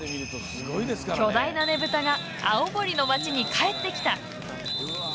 巨大なねぶたが青森の町に帰ってきた！